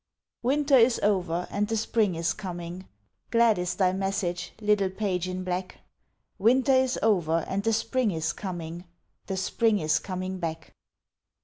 "Winter is over, and the spring is coming!" Glad is thy message, little page in black "Winter is over, and the spring is coming The spring is coming back!"